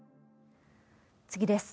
次です。